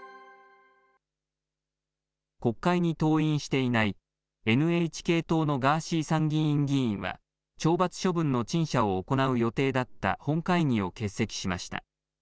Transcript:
国会に登院していないＮＨＫ党のガーシー参議院議員は、懲罰処分の陳謝を行う予定だった本会議を欠席しました。